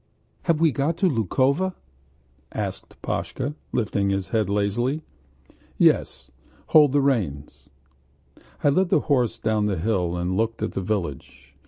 "Have we got to Lukovo?" asked Pashka, lifting his head lazily. "Yes. Hold the reins!..." I led the horse down the hill and looked at the village.